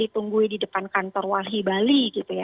tunggu di depan kantor walsi bali